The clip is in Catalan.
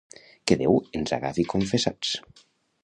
que Déu ens agafi confessats!